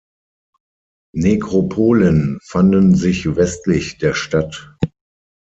Nekropolen fanden sich westlich der Stadt.